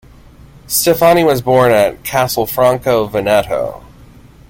Steffani was born at Castelfranco Veneto.